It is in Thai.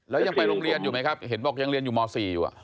แล้วยังไปโรงเรียนอยู่ไหมครับเห็นบอกยังเรียนอยู่ม๔อยู่